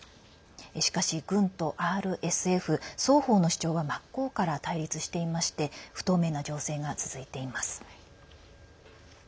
しかし、軍とＲＳＦ双方の主張は真っ向から対立していまして不透明な情勢が続いています。